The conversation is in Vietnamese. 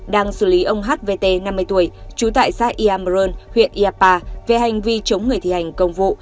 đang xử lý ông hvt năm mươi tuổi trú tại xã iamron huyện iapa về hành vi chống người thi hành công vụ